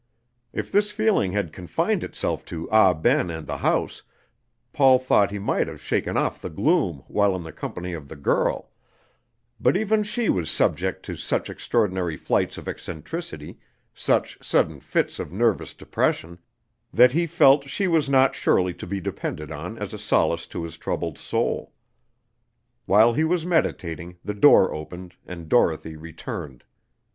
If this feeling had confined itself to Ah Ben and the house, Paul thought he might have shaken off the gloom while in the company of the girl, but even she was subject to such extraordinary flights of eccentricity, such sudden fits of nervous depression, that he felt she was not surely to be depended on as a solace to his troubled soul. While he was meditating, the door opened, and Dorothy returned.